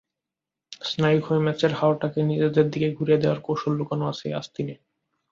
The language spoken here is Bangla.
স্নায়ুক্ষয়ী ম্যাচের হাওয়াটাকে নিজেদের দিকে ঘুরিয়ে দেওয়ার কৌশল লুকানো আছে আস্তিনে।